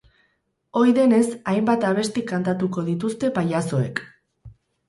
Ohi denez, hainbat abesti kantatuko dituzte pailazoek.